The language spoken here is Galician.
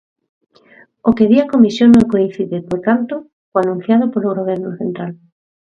O que di a Comisión non coincide, por tanto, co anunciado polo Goberno central.